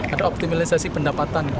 ada optimalisasi pendapatan